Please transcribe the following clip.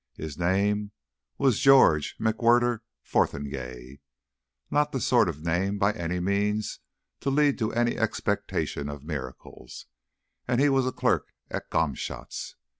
His name was George McWhirter Fotheringay not the sort of name by any means to lead to any expectation of miracles and he was clerk at Gomshott's.